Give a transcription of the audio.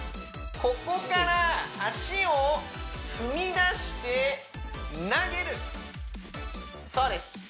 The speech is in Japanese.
ここから脚を踏み出して投げるそうです